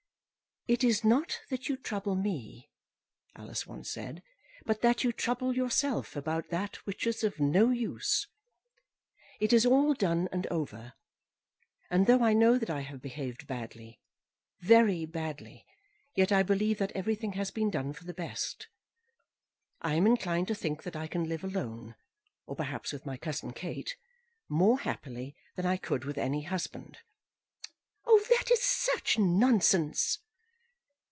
"It is not that you trouble me," Alice once said, "but that you trouble yourself about that which is of no use. It is all done and over; and though I know that I have behaved badly, very badly, yet I believe that everything has been done for the best. I am inclined to think that I can live alone, or perhaps with my cousin Kate, more happily than I could with any husband." "That is such nonsense."